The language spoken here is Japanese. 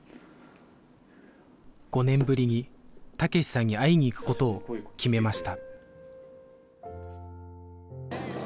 ５年ぶりに武志さんに会いに行くことを決めました